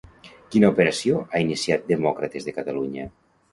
Quina operació ha iniciat Demòcrates de Catalunya?